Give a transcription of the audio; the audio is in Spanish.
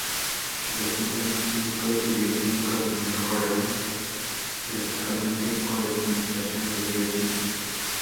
Los síntomas clínicos y bioquímicos mejoran drásticamente con la administración de biotina.